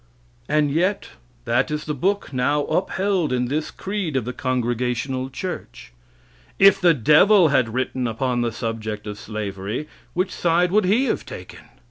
And yet that is the book now upheld in this creed of the Congregational Church. If the devil had written upon the subject of slavery, which side would he have taken?